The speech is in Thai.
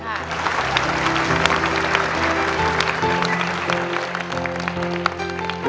คุณแม่ครับเป็นไงบ้างครับวันนี้ลูกชายคุณปู